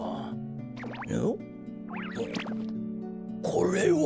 これは。